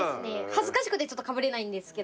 恥ずかしくてちょっとかぶれないんですけど。